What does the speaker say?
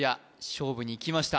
勝負にいきました